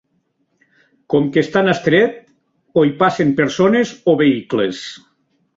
Com que és tan estret, o hi passen persones o vehicles.